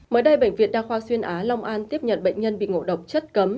mới đây bệnh viện đa khoa xuyên á long an tiếp nhận bệnh nhân bị ngộ độc chất cấm